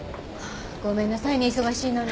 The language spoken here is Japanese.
ごめんなさいね忙しいのに。